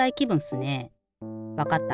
わかった。